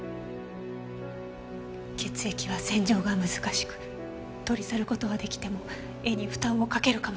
血液は洗浄が難しく取り去る事は出来ても絵に負担をかけるかもしれない。